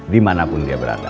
di mana pun dia berada